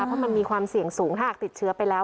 เพราะมันมีความเสี่ยงสูงถ้าหากติดเชื้อไปแล้ว